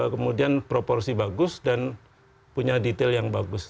kemudian proporsi bagus dan punya detail yang bagus